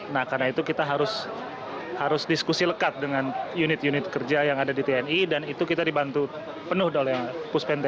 nah karena itu kita harus diskusi lekat dengan unit unit kerja yang ada di tni dan itu kita dibantu penuh oleh puspen tni